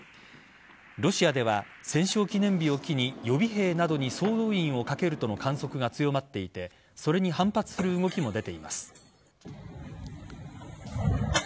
ロシアでは戦勝記念日を機に予備兵などに総動員をかけるとの観測が強まっていてそれに反発する動きも出ています。